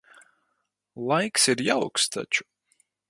Laiks ir jauks taču.